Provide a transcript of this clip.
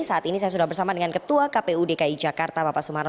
saat ini saya sudah bersama dengan ketua kpu dki jakarta bapak sumarno